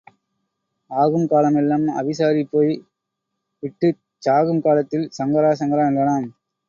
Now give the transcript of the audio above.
ஆகும் காலம் எல்லாம் அவிசாரி போய் விட்டுச் சாகும் காலத்தில் சங்கரா சங்கரா என்றாளாம்.